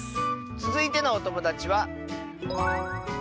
つづいてのおともだちは。